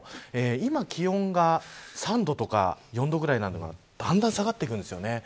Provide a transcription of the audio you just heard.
今、気温が３度とか４度くらいなのがだんだん下がっていくんです。